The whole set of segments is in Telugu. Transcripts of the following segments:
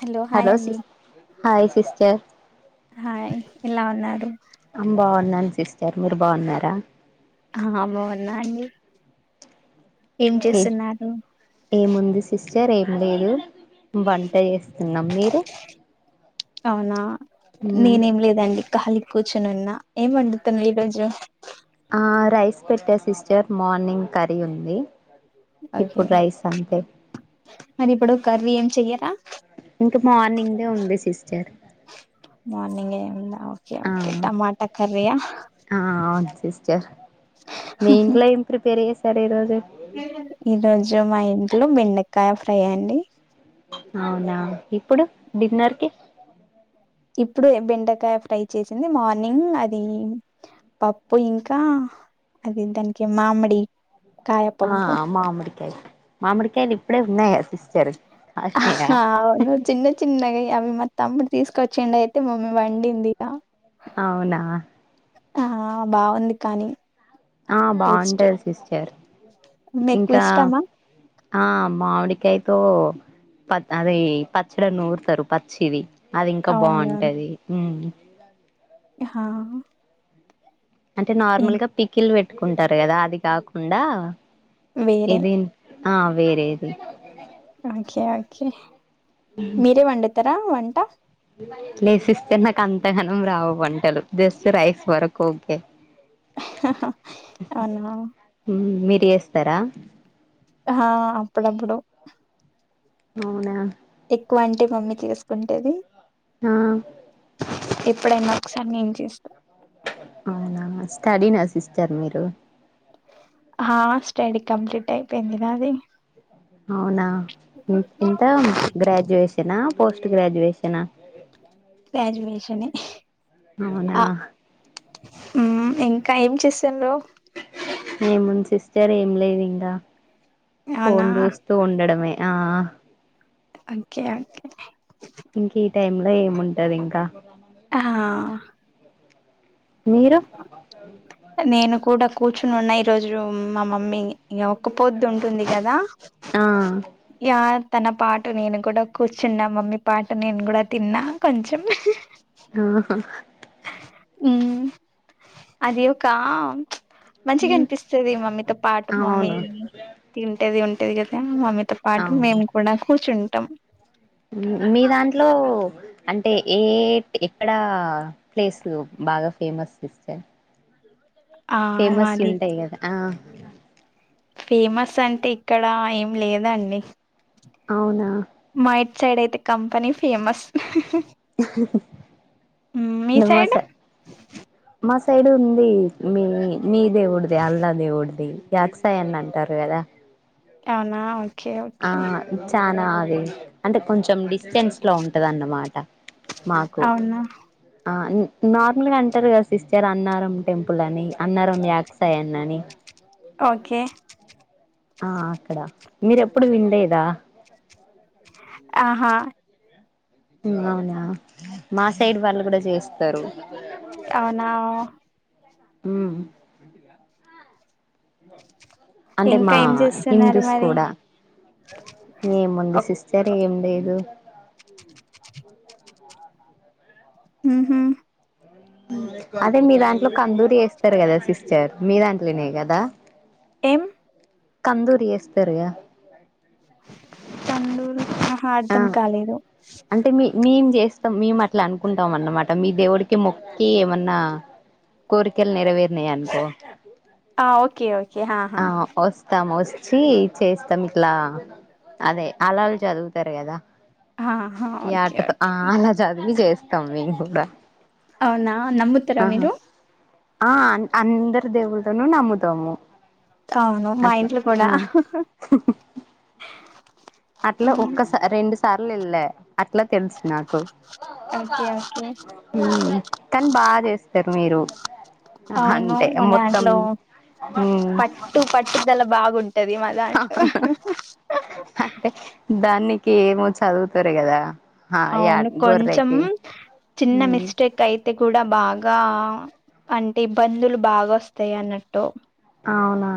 హలో హాయ్ అండి హాయ్ సిస్టర్ హాయ్ ఎలా ఉన్నారు న్నాన్ సిస్టర్ మీరు బాగున్నారా ఆహాహా బావున్నాండి ఎ ఏముంది సిస్ స్టర్ ఏం లేదు వంట చేస్తున్నాం మీరు అవునా ఉమ్ కూచునున్న ఏం వండుతున్నవు ఈ రోజు ఆ రైస్ పెట్టా సిస్టర్ మార్నింగ్ కర్రీ ఉంది. ఓకే ఇప్పుడు రైస్ అంతే మరి ఇప్పుడు కర్రీ ఏం చెయ్యరా ఇంక మార్నింగ్దే ఉంది సిస్టర్. మార్నింగ్ ఏం ఉందా ఓకే ఆ ఓకే టమాటా కర్రి యా ఆ అవును సిస్టర్ మి ఇంట్లో ఎం ప్రిపేర్ చేస్ సరు ఈరోజు ఈరోజు మా ఇం ట్లో బెండకాయ ఫ్రై అండి. అవునా ఇప్పుడు డిన్నర్ కి ఇప్పుడు బెండకాయ ఫ్రై చేసింది. మార్నింగ్ అది పప్పు ఇంకా అది దానికి మామిడి కాయ ఆ పప్పు మామిడికాయ మామిడికాయలు ఇప్పుడే ఉన్నాయ అవును చిన్న చిన్నగా అవి మా తమ్ముడు తీసుకొచ్చిండు అయితే మమ్మీ వండింది ఇక అవునా ఆ బావుంది కానీ ఆ టేస్ట్ బావుంటది సిస్టర్ మీకు ఇంకా ఇష్టమా ఆ మామిడికాయతో ప అది పచ్చడ నూరుతారు పచ్చిది అది ఇంకా బావుంటది ఉమ్ హా అంటే నార్మల్ గా పీకిలు పెట్ కుంటారు కదా అది కాకుండా వేరే ఇది ఆ వేరేది ఓకే ఓకే మీరే వండుతారా వం ట్ట లేదు సిస్టర్ నాకు అంతగనం రావు వంటలు జస్ట్ రైస్ వరకు ఓకే అవునా మీరు ఏస్తారా హా అప్పుడప్పుడు అవునా ఎక్కువ అంటే మమ్మీ చేసుకుంటది ఆ ఎప్పుడైనా ఒక్కసారి నేను చేస్తా అవునా స్టడీ నా సిస్టర్ మీరు ఆ స్టడీ కంప్లీట్ అయిపోయింది నాది అవునా ఇంత గ్రాజ్యుయేషనా పోస్ట్ గ్రాజుయషన్ గ్రాజువేషన్ అవునా ఆ ఇంకా ఏం చేస్త సెలో ఏముంది సిస్టర్ ఏం లేదు ఇంకా అవునా ఫోన్ చూస్తూ ఉండడమే ఆ కే అకే టైం లో ఏముంటది ఇంకా ఆ మీరు నేను కూడా కూర్చొని ఉన్నాయి ఈ రోజు మా మమ్మీని ఇక ఒక్క పొద్దు ఉంటుంది కదా ఆ తన పాట నేను కూడా కూర్చున్నా మమ్మీ పాట నేను కూడా తిన్నా కొంచెం ఆహా ఉ అది ఒకకా మంచిగా అనిపిస్తది మమ్మీతో పాటు మమ్మీ అవును తింటేదిింటే ది కదతే మమ తో పాటు అవును మేము కూడా కూర్చుం అట్టం మీ దాంట్లో అంటే ఏ ఎక్కడా ప్లేస్ బాగా ఫేమస్ సిస్టర్ ఆ ఫేమస్ మాది చయుంట ఇగదా ఆ ఫేమస్ అంటే ఇక్కడ ఏం లేదండి అవునా మైట్ సైడ్ అయితే కంపెనీ ఫేమస్ మీ మాస సైడ్ మాస సైడ్ ఉంది మీ మీ దేవుడిదే అల్లా దేవుడిది యాక్సాయని అంటారు కదా అవునా వు ఆ చా అది అంటే కొంచెం డిస్టెన్స్ లో ఉంటది అన్నమాట మాకు అవునా ఆ నార్మల్గా అంటారు కదా సిస్టర్ అన్నారం టెంపుల్ అని అన్నారం యాక్సాయన్ అని ఓకే ఆ అక్కడ మీరు ఎప్పుడు వినలేదా ఆహా అవునా మా సైడ్ వాళ్ళు కూడా చేస్తారు అవునా హ్మ్ అంటే ఇంకా మా ఏం చేస్తున్నారు హిందూస్ మరి కూడా లేదు ఊహూ అదే మీ దాంట్లో కందూరి వేస్తారు కదా సిస్టర్ మీ దాంట్లోనే కదా ఏం తందూరి వేస్తారుగా [unintelligible] మా ఆ అర్ధం కాలేదు స్తం మేము అట్లా అనుకుంటాం అన్నమాట మీ దేవుడికి మొక్కి ఏమన్నా కోరికలు నెరవేరినాయి అనుకో ఆ ఓకే ఓ ఆ వస్తాం వస్తా వచ్చి చేస్తాం ఇట్లా అదే అలాళ్ళు చదువుతారు కదా ఆహా ఈ ఓకే ఆటతో ఓకే అలా చదివి చేస్తాం మేము కూడా అవునా నమ్ముతారా మీరు దేవుళ్ళను నమ్ముతాము అవును మా అట్లా ఇంట్లో కూడా ఆ అట్లా మ్, ఒక్కస రెండు సార్ అట్లా తెలుసు నాకు ఓకే ఓకే కానీ బాగా చేస్తారు మీరు అవును అంటే మొత్తం మదాంట్లో పట్టు పట్టుదల బాగుం అవును అంటే దాన్ని కి ఏమో చదువుతారు కదా ఆ యా అవును కొంచెం గొర్రెకి చిన్న ఉమ్ మిస్టేక్ అయితే కూడా బాగా అంటే ఇబ్బందులు బాగా వస్తాయి అన్నట్టు అవునా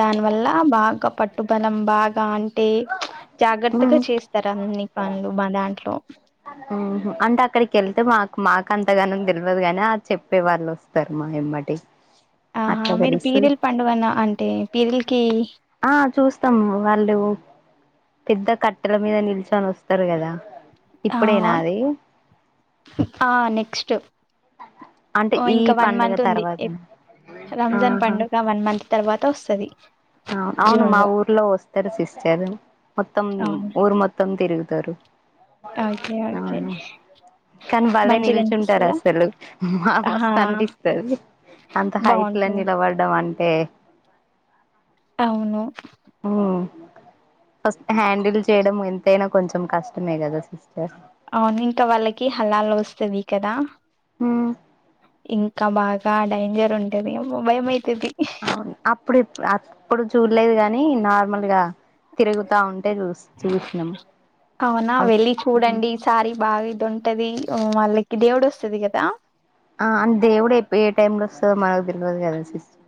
దానివల్ల బాగా పట్టుబలం బాగా అంటే జాగ్రత్తగా మ్మ్ చేస్తారు అన్ని పనులు మా దాంట్లో మాక అంతగాన తెలియదు కాగాని అ చెప్పే వాళ్ళు వస్తారు మా ఇమ్మటి ఆహా మీరు పీరిల్ పండుగన్న అంటే పీరిల్కి ఆ చూస్తాము వాళ్ళు పెద్ద కట్టెల మీద నిల్చొని వస్తారు కదా ఆ ఇప్పుడేనా అది ఆ నెక్స్ట్ అంటే ఓ ఈ ఇంకా వన్ పండుగ మంత్ ఉంది తర్వాతనా రంజాన్ పండుగ వన్ మంత్ తర్వాత వస్తది ఆ అవును జూన్ మా లో ఊర్లో వస్తారు సిస్టర్ మొత్తం అవును ఊరు మొత్తం తిరుగు తారు ఓకే ఆ ఓకే కానీ భలే మంచిగా నిల్చుంటారు అనిపిస్తదా అసలు మా ఆహా మస్తు అనిపిస్తుంది అంత హైట్ లో బాగుంటది నిలబడడం అంటే తే అవును ఫస్ట్ హ్యాండిల్ చేయడం ఎంతైనా కొంచెం కష్టమే కదా సిస్టర్ అవును ఇంకా వాళ్ళకి హలాలు వస్తది కదా ఉమ్ ఇంకాబాద్ ఇంకా డేంజర్ ఉంటేది అమ్మో భయం అయి అవును అప్పుడ ఇప్పుడు అప్ ప్పుడు చూడలేదు గాని నార్మల్ గా తిరుగుతా ఉంట అవునా వెళ్లి చూడండి ఈ సారి బాగా ఇది ఉంటది మళ్ళకి దేవుడు వస్తది కదా ఆ అ దేవుడుే ఏ టైం లో సో మనకు తెలవదు కదా సిస్టర్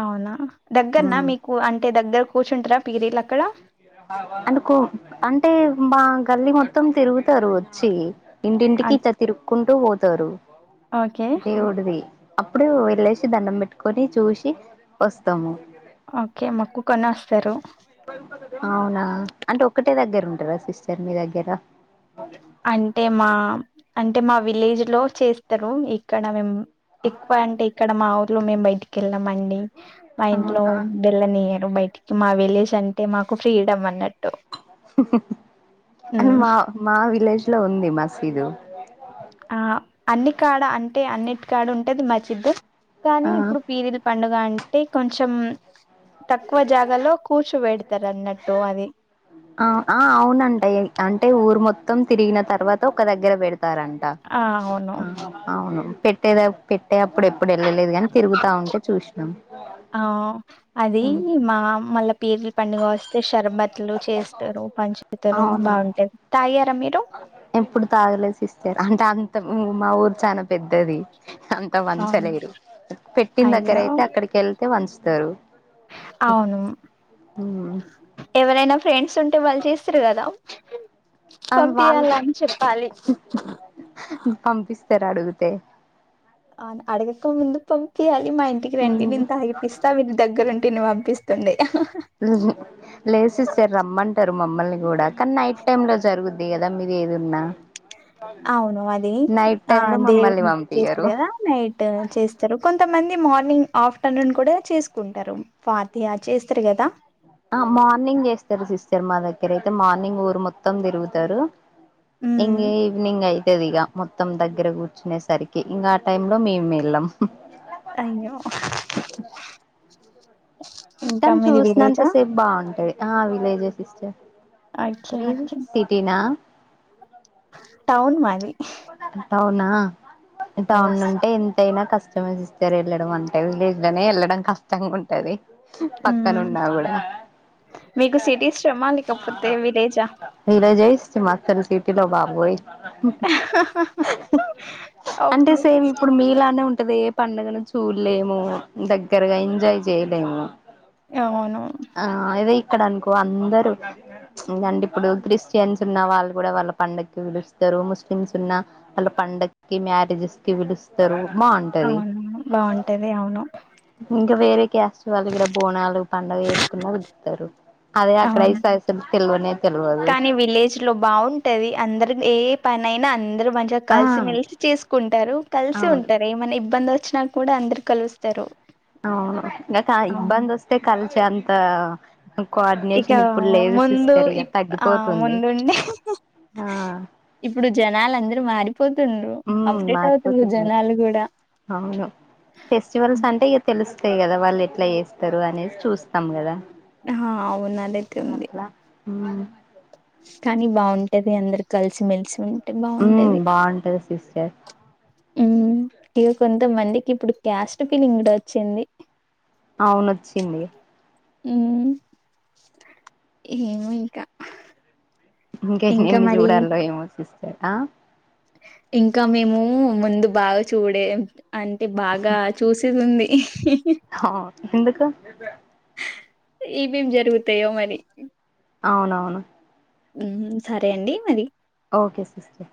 అవునా దగ్గరనా ఉమ్ మీకు అంటే దగ్గర కూర్చుంటారా పీరీలు అక్కడ అంటే కో అంటే మా గల్లి మొత్తం తిరుగుతారు వచ్చి ఇంటింటికి అన్- ఇటా తిరుక్కుంటూ పో తరు ఓకే దేవుడుది అప్పుడు వెళ్ళేసి దండం పెట్టుకొని చూసి వస్తాము ఓకే మక్కు కను వస్తారు అవునా అంటే ఒక్కటే దగ్గర ఉంటారా సిస్టర్ మీ దగ్గర అంటే మా అంటే మా విలేజ్ లో చేస్తారు ఇక్కడ మేము ఎక్కువ అంటే ఇక్కడ మావ లో మేం బయటికి వెళ్ళామండి మా ఇంట్లో అవునా బేళ్ళ నియరు బయటికి మా విలేజ్ అంటే మాకు ఫ్రీడమ్ అన్నట్టు ఉమ్ మా మా విలేజ్ ఇట్లో ఉంది మసీదు ఆ అన్ని కాడ అంటే అన్నిటి కాడ ఉంటుది మాచిద్దు కానీ ఆ ఇప్పుడు పీరిల్ పండుగ అంటే కొంచెం తక్కువ జాగలో కూర్చోబెడతారు అన్నట్టు అది ఆ ఆ అవునంటా అంటే ఊరు మొత్తం తిరిగిన తర్వాత ఒక దగ్గర పెడ తారంట ఆ అవును అవును పెట్టేద పెట్టే అప్పుడు ఎప్పుడు వెళ్ళలేదు కాని తిరుగుతా ఉంటే చూసినాం ఆ అది మా మళ్ళా పేర్ల పండుగ వస్తే షార్బత్ లు చేస్తారు పంచుతారు అవును బాగుంటాయి తా ఎప్పుడు తాగలే సిస్టర్ అంటే అంత మా ఊరు చానా పెద్దది అంత అవును వంచలేరు పెట్టిన దగ్గర అయ్యో అయితే అక్కడికి వెళతే వాల్ ఇస్ తరు అవును ఎవరైనా ఫ్రెండ్స్ ఉంటే వాళ్ళు చేస్తారు కదా అ పంపియాల వాళ్ళకు అని చెప్పాలి పంపిస్తారు అడుగు తే ఆను అడగక్క ముందు పంపియాల మా ఇంటికి రండి వింత హైప్పిస్తా విళ్ళ దగ్గర ఉండి వటిని పంపిస్తుంది లేదు సిస్టర్ రమ్మంటరు మమ్మల్ని కూడా కానీ నైట్ టైమ్ లో జరుగుద్ది కదా మీది ఏదున్న అవును అది ఆ టైమ్ లో మమ్మల్ని దేవుని చేస్తరు పంపియ్యరు కదా నైట్ చేస్తరు కొంతమం ది అతే మార్నింగ్ ఆఫ్టర్నూన్ కూడా చేసుకుంటారు ఫాతియా చేస్తారు కదా ఆ మార్నింగ్ చేస్తారు సిస్టర్ మా దగ్గరైతే మార్నింగ్ ఊరు మొత్తం తిరుగుతారు ఉమ్ ఇంగా ఈవినింగ్ అయి త్యదిగా మొత్తం దగ్గర కూర్చునే సరికి ఇంకా ఆ టైమ్ లో మేమెళ్ళాం అయ్యో ఇంకా తను మీది చూసినంత విలేజా సేపు బాగుంటాది ఆ విలేజెస్ తీసిస్టర్ ఓకే మిది ఓకే సిటీనా టౌన్ మాది అవునా టౌన్ ఎస్ ఉంటే ఎ ఐనా కష్టమే సిస్టర్ వెళ్ళడం అంటే విలేజులోనే వెళ్ళడం కష్టంగుంటది మ్మ్ మీకు సిటీ ఇష్టమా లేకపోతే విలేజా. తను సిటీలో బాబోయ్ ఉహ్ అంటే అవును సేమ్ ఇప్పుడు మీలానే ఉంటది ఏ పండగ నుంచ్ చూల్లేము దగ్గరగా ఎంజాయ్ చేయలేము అవును ఆ ఇది ఇక్కడ అనుకో అందరు ప్చ్ ఏందంటే ఇప్పుడు క్రిస్టియన్స్ ఉన్న వాళ్ళు కూడా వాళ్ళ పండక్కి పిలుస్తారు ముస్లిమ్స్. ఉన్నా వాళ్ళ పండక్కి మ్యారేజెస్ కి పిలుస్తారు బాగుంటది అవును బాగుంటది అవును ఇంకా వేరే క్యాస్ట్ వాళ్ళు కూడా బోనాలు పండగ చేసుకున్నా పిలుత్తారు అవును కానీ విలేజ్ లో బాగుంటది అందరు ఏ పనైనా అందురు మంచిగా ఆ కలిసి మెలిసి చేసుకుంటారు కలిసి అవును ఉంటారు ఏమైనా ఇబ్బంది వ వచ్చినా కూడా అందురు కలుస్తరు అవును ఇకా ఇబ్బందొస్తే కల్ చెంత ఇక ముందు ఇక ఇప్ ఆ తగ్గిపోతుంది ముందుండి ఆ ఇప్పుడు జనాలు అందరూ మారిపో హ్మ్ మారిపోతున్నారు కూడా అవును ఫెస్టివల్స్ అంటే ఇక తెలుస్ అంతే కదా వాళ్ళు ఎట్లా చేస్తారు అనేది చూస్తాం కదా ఆ అవునదయితే ఉంది హ్మ్ కానీ బావుంటది అందరు కలిసిమెలిసి ఉ హ్మ్ బావుంటది సిస్టర్ హ్మ్ ఇక కొంతమందికి ఇప్పుడు క్యాస్ట్ ఫిలింగ్ కూడా వచ్చింది అవును వచ్చింది ఉ ఏమో ఇంకా ఇంక ఇంకా ఎన్ని మరి చూడాలో ఏమో సిస్ ఆ ఇంకా మేము ముందు బాగా చూడే అంటే బాగా చూసేది ఉంది క ఏమేమి జరుగుతాయో మరి అవునవును ఊహూ సరే అండి మరి ఓకే సిస్టర్